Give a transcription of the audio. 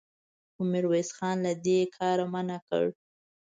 خو ميرويس خان له دې کاره منع کړ.